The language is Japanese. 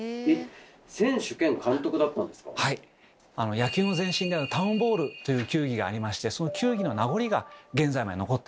野球の前身である「タウン・ボール」という球技がありましてその球技の名残が現在まで残ってるんです。